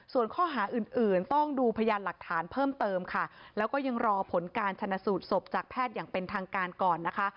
ส่วนข้อหาอื่นอื่นต้องดูพยานหลักฐานเพิ่มเติมค่ะแล้วก็ยังรอผลการชนะสูตรศพจากแพทย์อย่างเป็นทางการก่อนนะคะ